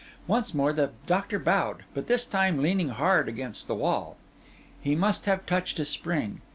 Once more the doctor bowed, but this time leaning hard against the wall. He must have touched a spring.